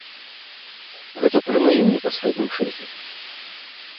Гэта пры маім непасрэдным шэфе!